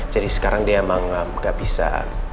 jadi sekarang dia emang gak bisa